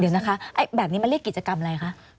เดี๋ยวนะคะแบบนี้มันเรียกกิจกรรมอะไรคะ